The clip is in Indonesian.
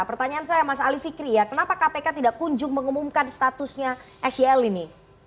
pertanyaan saya mas ali fikri ya kenapa kpk tidak kunjung mengumumkan statusnya sel ini